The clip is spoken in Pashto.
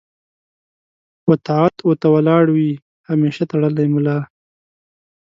و طاعت و ته ولاړ وي همېشه تړلې ملا